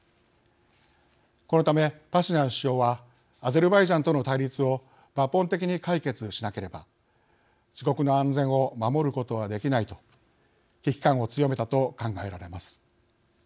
このためパシニャン首相はアゼルバイジャンとの対立を抜本的に解決しなければ自国の安全を守ることはできないと危機感を強めたと考えられます。